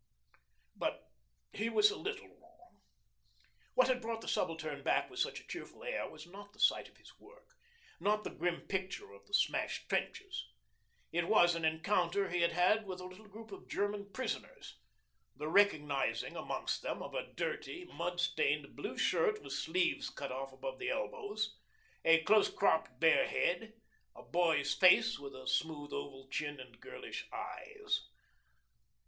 But he was a little wrong. What had brought the Subaltern back with such a cheerful air was not the sight of his work, not the grim picture of the smashed trenches. It was an encounter he had had with a little group of German prisoners, the recognising amongst them of a dirty, mud stained blue shirt with sleeves cut off above the elbows, a close cropped bare head, a boy's face with smooth oval chin and girlish eyes.